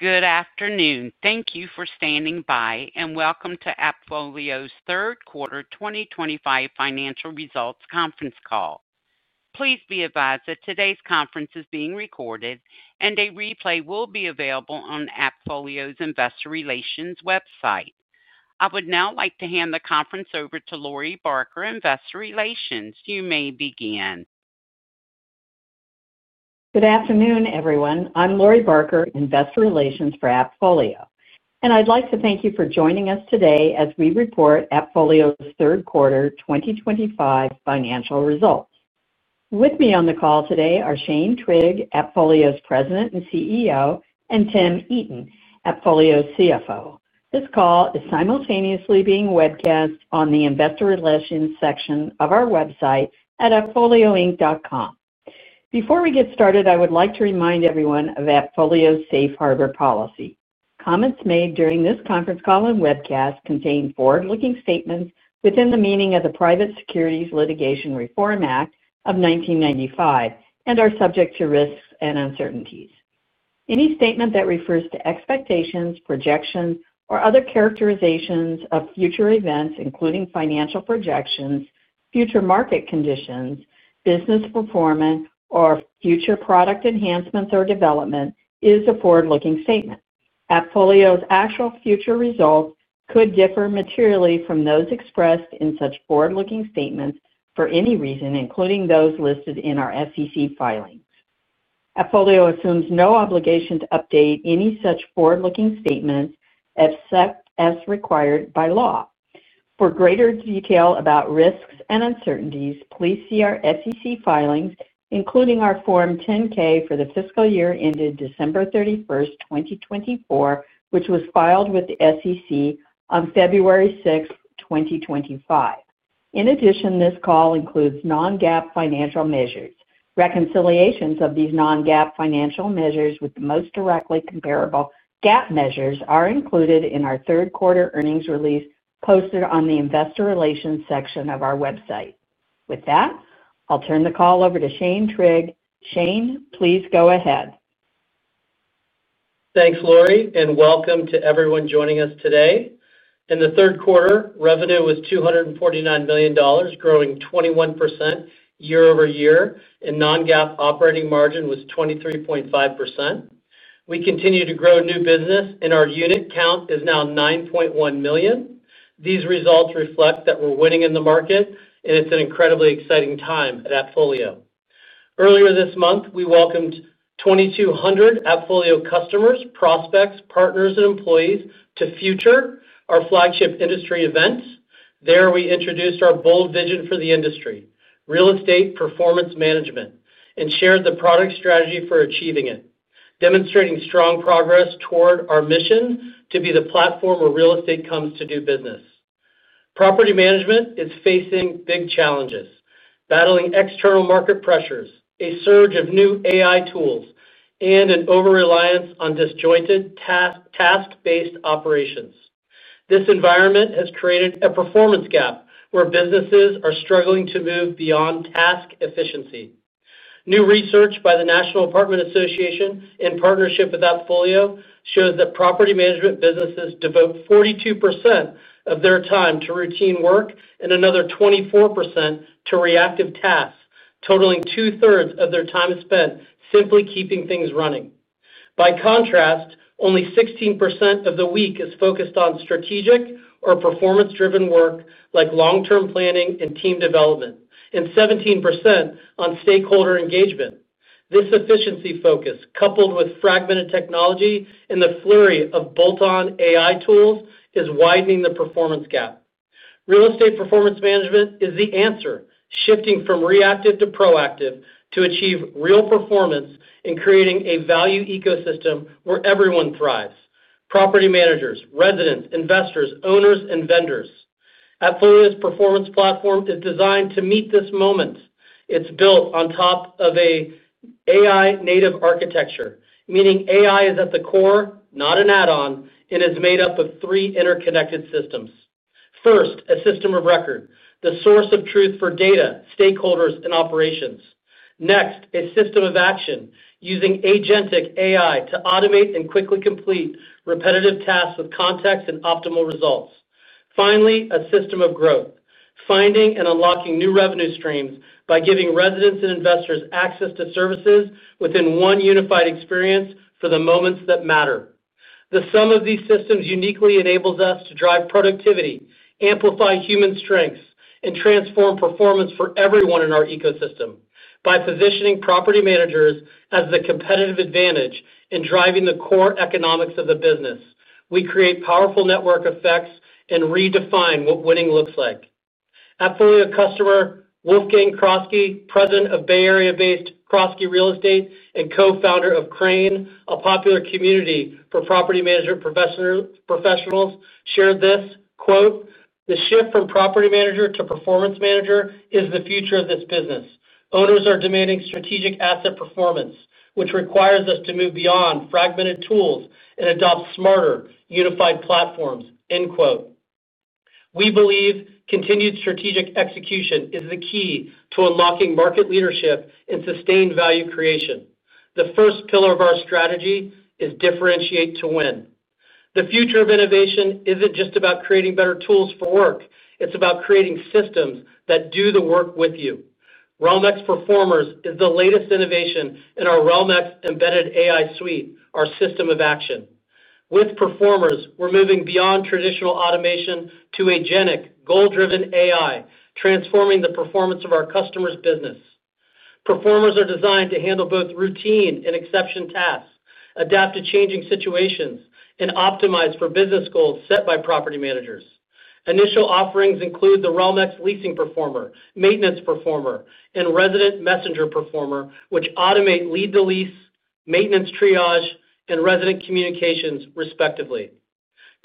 Good afternoon. Thank you for standing by and welcome to AppFolio's third quarter 2025 financial results conference call. Please be advised that today's conference is being recorded, and a replay will be available on AppFolio's Investor Relations website. I would now like to hand the conference over to Lori Barker, Investor Relations. You may begin. Good afternoon, everyone. I'm Lori Barker, Investor Relations for AppFolio, and I'd like to thank you for joining us today as we report AppFolio's third quarter 2025 financial results. With me on the call today are Shane Trigg, AppFolio's President and CEO, and Tim Eaton, AppFolio's CFO. This call is simultaneously being webcast on the Investor Relations section of our website at appfolioinc.com. Before we get started, I would like to remind everyone of AppFolio's Safe Harbor policy. Comments made during this conference call and webcast contain forward-looking statements within the meaning of the Private Securities Litigation Reform Act of 1995 and are subject to risks and uncertainties. Any statement that refers to expectations, projections, or other characterizations of future events, including financial projections, future market conditions, business performance, or future product enhancements or development, is a forward-looking statement. AppFolio's actual future results could differ materially from those expressed in such forward-looking statements for any reason, including those listed in our SEC filings. AppFolio assumes no obligation to update any such forward-looking statements except as required by law. For greater detail about risks and uncertainties, please see our SEC filings, including our Form 10-K for the fiscal year ended December 31st, 2024, which was filed with the SEC on February 6th, 2025. In addition, this call includes non-GAAP financial measures. Reconciliations of these non-GAAP financial measures with the most directly comparable GAAP measures are included in our third quarter earnings release posted on the Investor Relations section of our website. With that, I'll turn the call over to Shane Trigg. Shane, please go ahead. Thanks, Lori, and welcome to everyone joining us today. In the third quarter, revenue was $249 million, growing 21% year-over-year, and non-GAAP operating margin was 23.5%. We continue to grow new business, and our unit count is now 9.1 million. These results reflect that we're winning in the market, and it's an incredibly exciting time at AppFolio. Earlier this month, we welcomed 2,200 AppFolio customers, prospects, partners, and employees to FUTURE, our flagship industry event. There, we introduced our bold vision for the industry: real estate performance management, and shared the product strategy for achieving it, demonstrating strong progress toward our mission to be the platform where real estate comes to do business. Property management is facing big challenges, battling external market pressures, a surge of new AI tools, and an over-reliance on disjointed, task-based operations. This environment has created a performance gap where businesses are struggling to move beyond task efficiency. New research by the National Apartment Association, in partnership with AppFolio, shows that property management businesses devote 42% of their time to routine work and another 24% to reactive tasks, totaling 2/3 of their time spent simply keeping things running. By contrast, only 16% of the week is focused on strategic or performance-driven work, like long-term planning and team development, and 17% on stakeholder engagement. This efficiency focus, coupled with fragmented technology and the flurry of bolt-on AI tools, is widening the performance gap. Real estate performance management is the answer, shifting from reactive to proactive to achieve real performance and creating a value ecosystem where everyone thrives: property managers, residents, investors, owners, and vendors. AppFolio's performance platform is designed to meet this moment. It's built on top of an AI-native architecture, meaning AI is at the core, not an add-on, and is made up of three interconnected systems. First, a system of record, the source of truth for data, stakeholders, and operations. Next, a system of action using agentic AI to automate and quickly complete repetitive tasks with context and optimal results. Finally, a system of growth, finding and unlocking new revenue streams by giving residents and investors access to services within one unified experience for the moments that matter. The sum of these systems uniquely enables us to drive productivity, amplify human strengths, and transform performance for everyone in our ecosystem. By positioning property managers as the competitive advantage and driving the core economics of the business, we create powerful network effects and redefine what winning looks like. AppFolio customer Wolgang Croskey, President of Bay Area-based Croskey Real Estate and co-founder of Crane, a popular community for property management professionals, shared this quote, "The shift from property manager to performance manager is the future of this business. Owners are demanding strategic asset performance, which requires us to move beyond fragmented tools and adopt smarter, unified platforms." We believe continued strategic execution is the key to unlocking market leadership and sustained value creation. The first pillar of our strategy is differentiate to win. The future of innovation isn't just about creating better tools for work, it's about creating systems that do the work with you. Realm-X Performers is the latest innovation in our Realm-X embedded AI suite, our system of action. With Performers, we're moving beyond traditional automation to agentic, goal-driven AI, transforming the performance of our customers' business. Performers are designed to handle both routine and exception tasks, adapt to changing situations, and optimize for business goals set by property managers. Initial offerings include the Realm-X Leasing Performer, Maintenance Performer, and Resident Messenger Performer, which automate lead-to-lease, maintenance triage, and resident communications, respectively.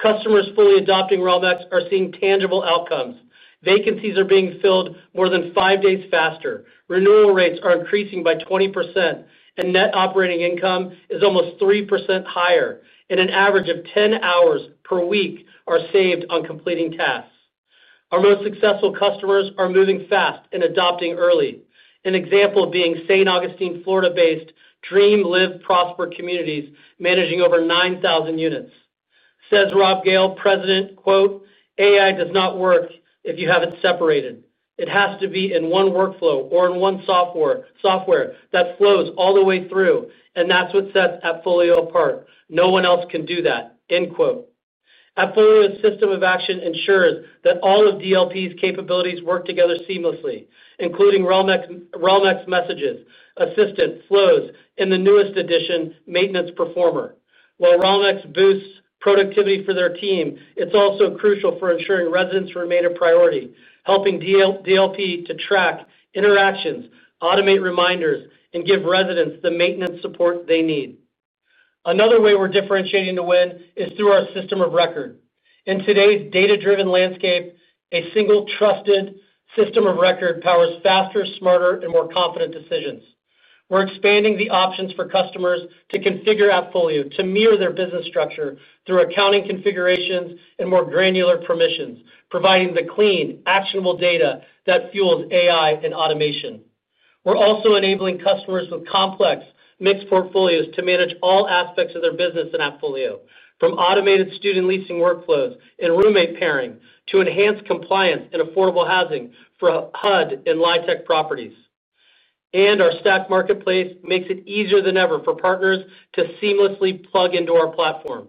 Customers fully adopting Realm-X are seeing tangible outcomes. Vacancies are being filled more than five days faster, renewal rates are increasing by 20%, and net operating income is almost 3% higher, and an average of 10 hours per week are saved on completing tasks. Our most successful customers are moving fast and adopting early, an example being St. Augustine, Florida-based Dream Live Prosper communities managing over 9,000 units. Says Rob Gayle, President, "AI does not work if you haven't separated. It has to be in one workflow or in one software that flows all the way through, and that's what sets AppFolio apart. No one else can do that." AppFolio's system of action ensures that all of DLP's capabilities work together seamlessly, including Realm-X Messages, Assistant, Flows, and the newest addition, Maintenance Performer. While Realm-X boosts productivity for their team, it's also crucial for ensuring residents remain a priority, helping DLP to track interactions, automate reminders, and give residents the maintenance support they need. Another way we're differentiating to win is through our system of record. In today's data-driven landscape, a single trusted system of record powers faster, smarter, and more confident decisions. We're expanding the options for customers to configure AppFolio to mirror their business structure through accounting configurations and more granular permissions, providing the clean, actionable data that fuels AI and automation. We're also enabling customers with complex, mixed portfolios to manage all aspects of their business in AppFolio, from automated student leasing workflows and roommate pairing to enhanced compliance and affordable housing for HUD and LIHTC properties. Our Stack Marketplace makes it easier than ever for partners to seamlessly plug into our platform.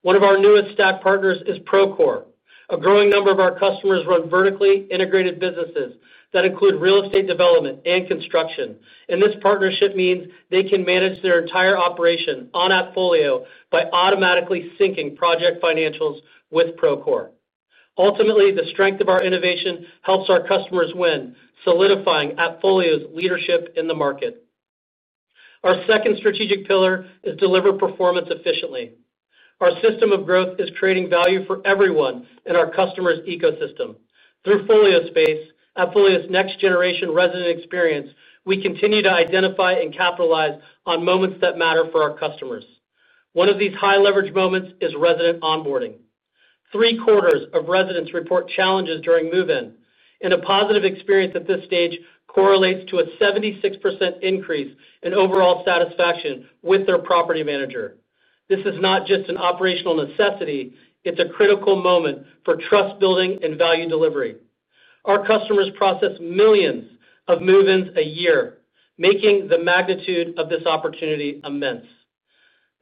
One of our newest Stack Partners is Procore. A growing number of our customers run vertically integrated businesses that include real estate development and construction, and this partnership means they can manage their entire operation on AppFolio by automatically syncing project financials with Procore. Ultimately, the strength of our innovation helps our customers win, solidifying AppFolio's leadership in the market. Our second strategic pillar is deliver performance efficiently. Our system of growth is creating value for everyone in our customers' ecosystem. Through FolioSpace, AppFolio's next-generation resident experience, we continue to identify and capitalize on moments that matter for our customers. One of these high-leverage moments is resident onboarding. Three-quarters of residents report challenges during move-in, and a positive experience at this stage correlates to a 76% increase in overall satisfaction with their property manager. This is not just an operational necessity; it's a critical moment for trust-building and value delivery. Our customers process millions of move-ins a year, making the magnitude of this opportunity immense.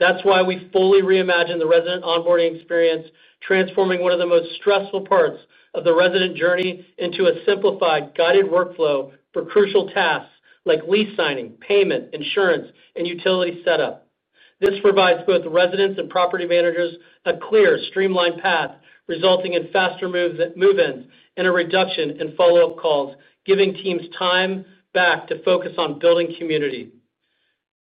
That's why we fully reimagine the resident onboarding experience, transforming one of the most stressful parts of the resident journey into a simplified, guided workflow for crucial tasks like lease signing, payment, insurance, and utility setup. This provides both residents and property managers a clear, streamlined path, resulting in faster move-ins and a reduction in follow-up calls, giving teams time back to focus on building community.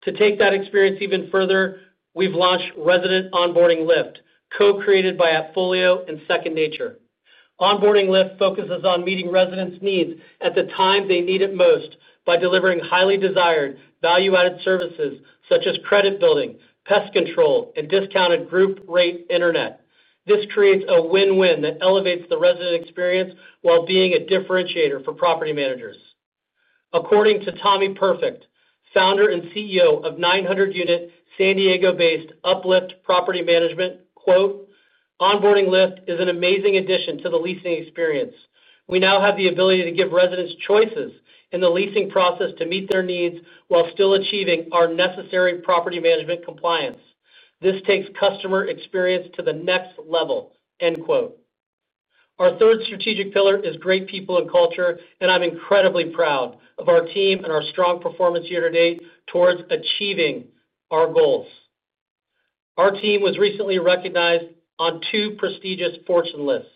To take that experience even further, we've launched Resident Onboarding Lift, co-created by AppFolio and Second Nature. Onboarding Lift focuses on meeting residents' needs at the time they need it most by delivering highly desired, value-added services such as credit building, pest control, and discounted group-rate internet. This creates a win-win that elevates the resident experience while being a differentiator for property managers. According to Tommy Perfect, founder and CEO of 900-unit San Diego-based Uplift Property Management, "Onboarding Lift is an amazing addition to the leasing experience. We now have the ability to give residents choices in the leasing process to meet their needs while still achieving our necessary property management compliance. This takes customer experience to the next level." Our third strategic pillar is great people and culture, and I'm incredibly proud of our team and our strong performance year to date towards achieving our goals. Our team was recently recognized on two prestigious Fortune lists: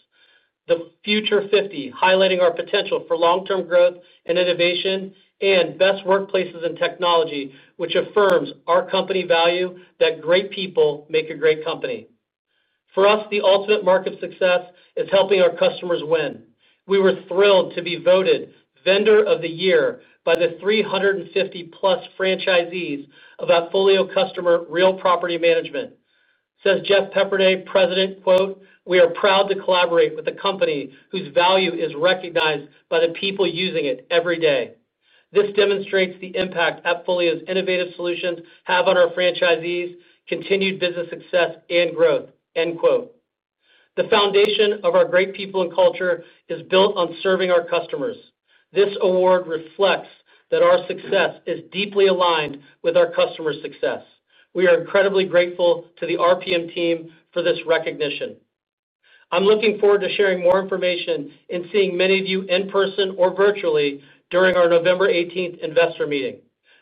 the Future 50, highlighting our potential for long-term growth and innovation, and Best Workplaces in Technology, which affirms our company value that great people make a great company. For us, the ultimate mark of success is helping our customers win. We were thrilled to be voted Vendor of the Year by the 350+ franchisees of AppFolio customer Real Property Management. Says Jeff Pepperney, President, "We are proud to collaborate with a company whose value is recognized by the people using it every day. This demonstrates the impact AppFolio's innovative solutions have on our franchisees, continued business success, and growth." The foundation of our great people and culture is built on serving our customers. This award reflects that our success is deeply aligned with our customer success. We are incredibly grateful to the RPM team for this recognition. I'm looking forward to sharing more information and seeing many of you in person or virtually during our November 18th investor meeting.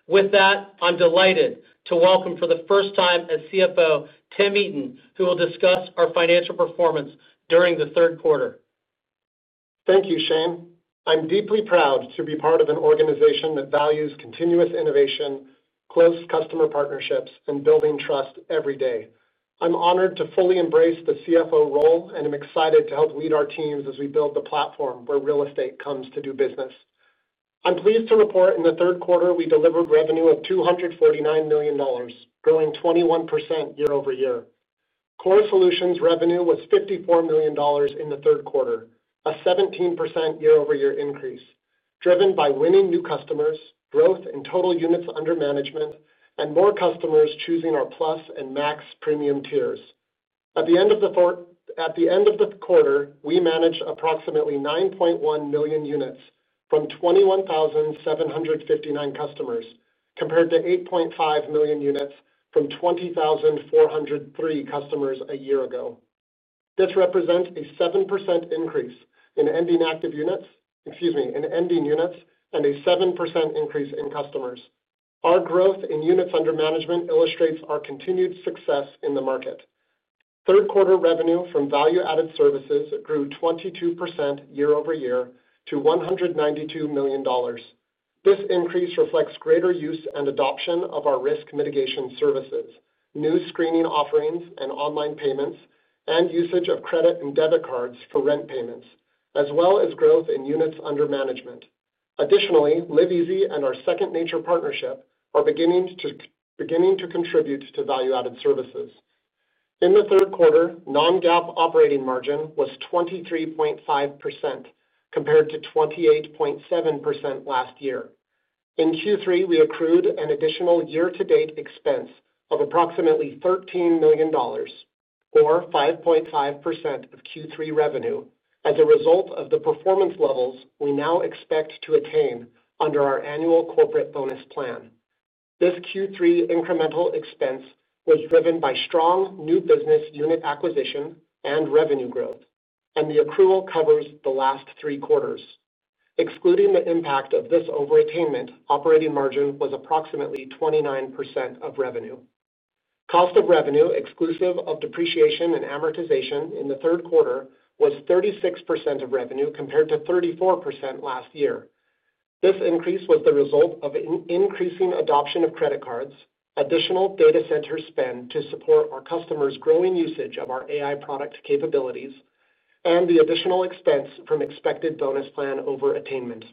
With that, I'm delighted to welcome for the first time as CFO, Tim Eaton, who will discuss our financial performance during the third quarter. Thank you, Shane. I'm deeply proud to be part of an organization that values continuous innovation, close customer partnerships, and building trust every day. I'm honored to fully embrace the CFO role and am excited to help lead our teams as we build the platform where real estate comes to do business. I'm pleased to report in the third quarter, we delivered revenue of $249 million, growing 21% year-over-year. Core Solutions revenue was $54 million in the third quarter, a 17% year-over-year increase, driven by winning new customers, growth in total units under management, and more customers choosing our Plus and Max premium tiers. At the end of the quarter, we managed approximately 9.1 million units from 21,759 customers, compared to 8.5 million units from 20,403 customers a year ago. This represents a 7% increase in ending units and a 7% increase in customers. Our growth in units under management illustrates our continued success in the market. Third-quarter revenue from value-added services grew 22% year-over-year to $192 million. This increase reflects greater use and adoption of our risk mitigation services, new screening offerings and online payments, and usage of credit and debit cards for rent payments, as well as growth in units under management. Additionally, LiveEasy and our Second Nature partnership are beginning to contribute to value-added services. In the third quarter, non-GAAP operating margin was 23.5%, compared to 28.7% last year. In Q3, we accrued an additional year-to-date expense of approximately $13 million, or 5.5% of Q3 revenue, as a result of the performance levels we now expect to attain under our annual corporate bonus plan. This Q3 incremental expense was driven by strong new business unit acquisition and revenue growth, and the accrual covers the last three quarters. Excluding the impact of this overattainment, operating margin was approximately 29% of revenue. Cost of revenue exclusive of depreciation and amortization in the third quarter was 36% of revenue, compared to 34% last year. This increase was the result of increasing adoption of credit cards, additional data center spend to support our customers' growing usage of our AI product capabilities, and the additional expense from expected bonus plan overattainment.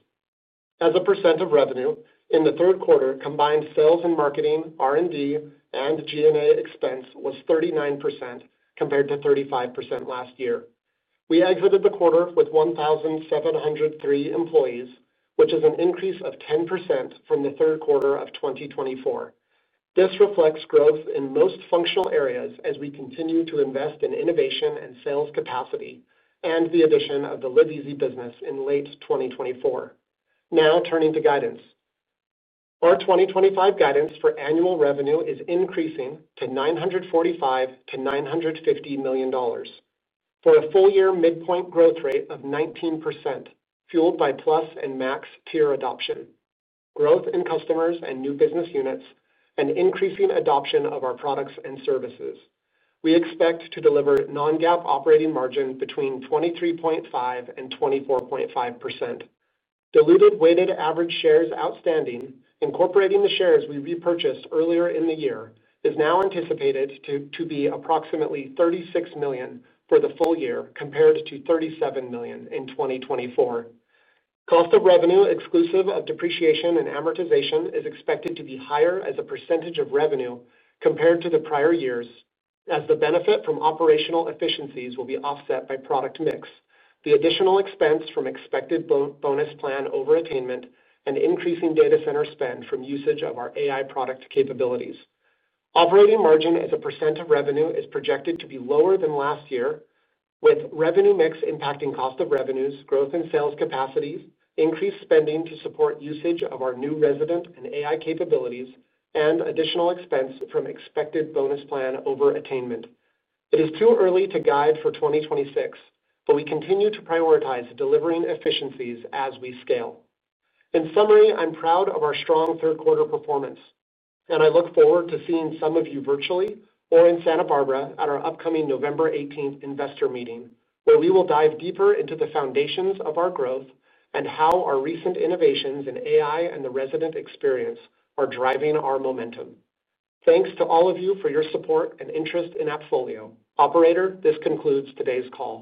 As a percent of revenue, in the third quarter, combined sales and marketing, R&D, and G&A expense was 39%, compared to 35% last year. We exited the quarter with 1,703 employees, which is an increase of 10% from the third quarter of 2024. This reflects growth in most functional areas as we continue to invest in innovation and sales capacity and the addition of the LiveEasy business in late 2024. Now, turning to guidance. Our 2025 guidance for annual revenue is increasing to $945 million-$950 million. For a full-year midpoint growth rate of 19%, fueled by Plus and Max tier adoption, growth in customers and new business units, and increasing adoption of our products and services. We expect to deliver non-GAAP operating margin between 23.5% and 24.5%. Diluted weighted average shares outstanding, incorporating the shares we repurchased earlier in the year, is now anticipated to be approximately 36 million for the full year, compared to 37 million in 2024. Cost of revenue exclusive of depreciation and amortization is expected to be higher as a percentage of revenue compared to the prior years, as the benefit from operational efficiencies will be offset by product mix, the additional expense from expected bonus plan overattainment, and increasing data center spend from usage of our AI product capabilities. Operating margin as a percent of revenue is projected to be lower than last year, with revenue mix impacting cost of revenues, growth in sales capacities, increased spending to support usage of our new resident and AI capabilities, and additional expense from expected bonus plan overattainment. It is too early to guide for 2026, but we continue to prioritize delivering efficiencies as we scale. In summary, I'm proud of our strong third-quarter performance, and I look forward to seeing some of you virtually or in Santa Barbara at our upcoming November 18th investor meeting, where we will dive deeper into the foundations of our growth and how our recent innovations in AI and the resident experience are driving our momentum. Thanks to all of you for your support and interest in AppFolio. Operator, this concludes today's call.